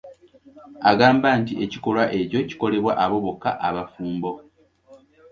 Agamba nti ekikolwa ekyo kikolebwa abo bokka abafumbo.